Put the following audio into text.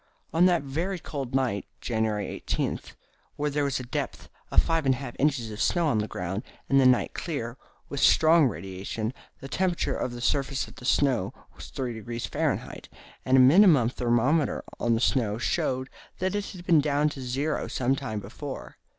On that very cold night (January 18), when there was a depth of 5 1/2 inches of snow on the ground, and the night clear, with strong radiation, the temperature of the surface of the snow was 3° Fahr., and a minimum thermometer on the snow showed that it had been down to zero some time before.